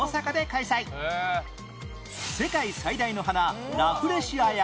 世界最大の花ラフレシアや